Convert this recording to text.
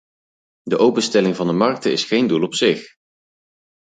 De openstelling van de markten is geen doel op zich.